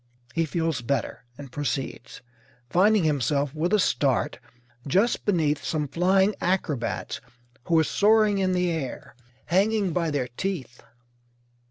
He feels better and proceeds, finding himself, with a start, just beneath some flying acrobats who are soaring in air, hanging by their teeth.